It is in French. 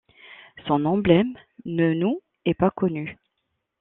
Son emblème ne nous est pas connu.